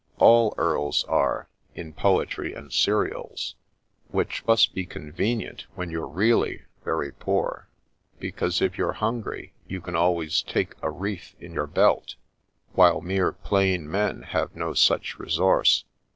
All earls are, in poetry and serials, which must be convenient when you're really very poor, because if you're hungry, you can always take a reef in your belt, while mere plain men have no such resource.